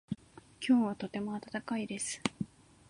今日はとても暖かいです。